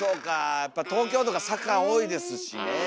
やっぱ東京とか坂多いですしねえ。